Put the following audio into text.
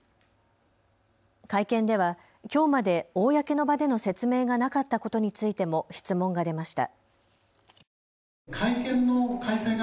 会見では、きょうまで公の場での説明がなかったことについても質問が出ました。